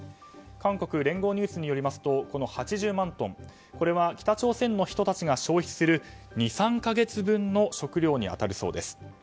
韓国の聯合ニュースによりますとこの８０万トンこれは北朝鮮の人たちが消費する２３か月分の食糧に当たるそうです。